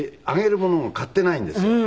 あげるものも買ってないんですよ。